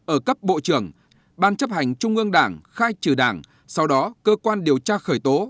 ở cấp bộ trưởng ban chấp hành trung ương đảng khai trừ đảng sau đó cơ quan điều tra khởi tố